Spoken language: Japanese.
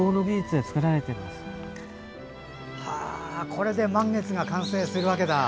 これで満月が完成するわけだ。